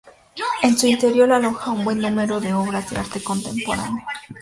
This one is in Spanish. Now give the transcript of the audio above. En su interior aloja un buen número de obras de arte contemporáneo.